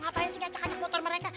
ngapain sih ngacak ngacak motor mereka